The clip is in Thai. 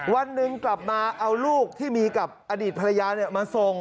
วันหนึ่งกลับมาเอาลูกที่มีกับอดีตภรรยามาส่ง